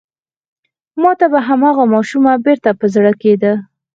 ما ته به هماغه ماشومه بېرته را په زړه کېده.